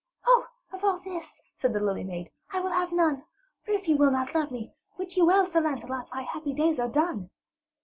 'Oh, of all this,' said the Lily Maid, 'I will have none; for if ye will not love me, wit ye well, Sir Lancelot, my happy days are done.'